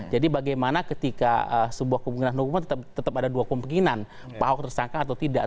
jadi bagaimana ketika sebuah kemungkinan hukuman tetap ada dua kemungkinan pak ahok tersangka atau tidak